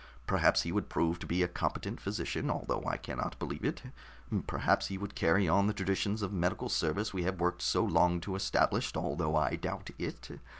Perhaps he would prove to be a competent physician, although I cannot believe it. Perhaps he would carry on the traditions of medical service we have worked so long to establish, although I doubt it.